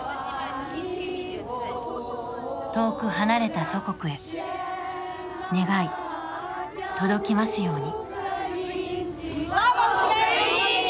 遠く離れた祖国へ願い、届きますように。